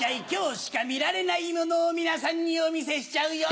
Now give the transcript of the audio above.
今日しか見られないものを皆さんにお見せしちゃう。